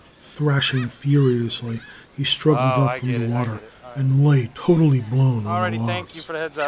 Thrashing furiously, he struggled up from the water, and lay, totally blown, on the logs.